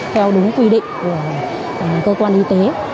theo đúng quy định của cơ quan y tế